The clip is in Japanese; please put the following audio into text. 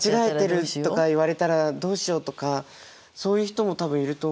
間違えてるとか言われたらどうしようとかそういう人も多分いると思うんですよね。